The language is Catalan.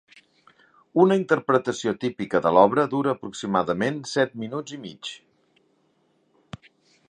Una interpretació típica de l'obra dura aproximadament set minuts i mig.